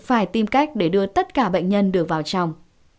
phải tìm cách để đưa tất cả bệnh nhân được vào trong